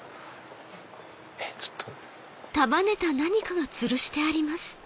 えっちょっと。